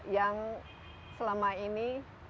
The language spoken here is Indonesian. yang selama ini